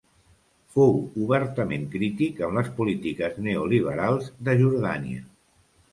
Fou obertament crític amb les polítiques neoliberals de Jordània.